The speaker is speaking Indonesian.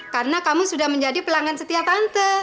karena kamu sudah menjadi pelanggan setia tante